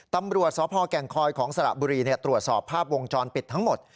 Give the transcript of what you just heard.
ตำรวจสพแก่งคอยของสระบุรีตรวจสอบภาพวงจรปิดทั้งหมด